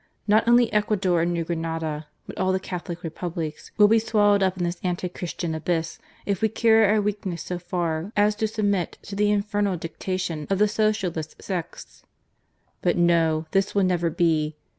Not only Ecuador and New Grenada but all the Catholic Republics will be swallowed up in this anti Christian abyss if we carry our weakness so far as to submit to the infernal dictation of the Socialist sects. But no, this will never be